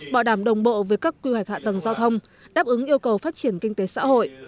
bảo đảm đồng bộ với các quy hoạch hạ tầng giao thông đáp ứng yêu cầu phát triển kinh tế xã hội